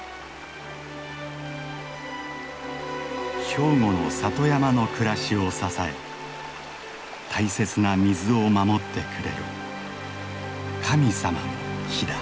兵庫の里山の暮らしを支え大切な水を守ってくれる神様の木だ。